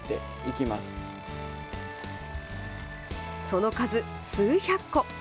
その数、数百個。